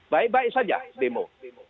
baik baik saja demo